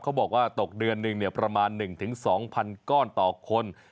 เขาบอกว่าตกเดือนหนึ่งประมาณ๑๒๐๐๐ก้อนต่อคน